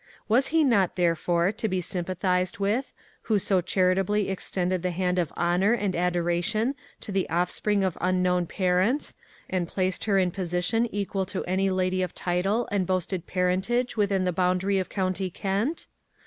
Was he not, therefore, to be sympathised with, who so charitably extended the hand of honour and adoration to the offspring of unknown parents, and placed her in position equal to any lady of title and boasted parentage within the boundary of County Kent?